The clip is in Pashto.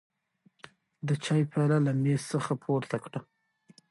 د چای پیاله له مېز څخه پورته کړه.